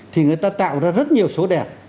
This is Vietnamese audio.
thì người ta tạo ra rất nhiều số đẹp